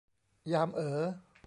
ยามเอ๋อ